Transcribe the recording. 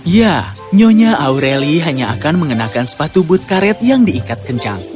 ya nyonya aureli hanya akan mengenakan sepatu but karet yang diikat kencang